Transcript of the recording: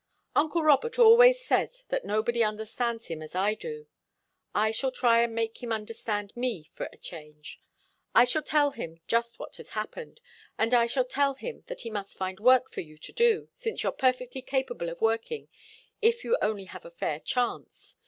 "Uncle Robert always says that nobody understands him as I do. I shall try and make him understand me, for a change. I shall tell him just what has happened, and I shall tell him that he must find work for you to do, since you're perfectly capable of working if you only have a fair chance.